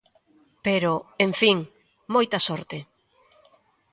Pero, en fin, ¡moita sorte!